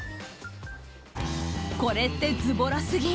これってズボラすぎ？